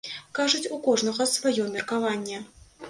Кажуць, у кожнага сваё меркаванне.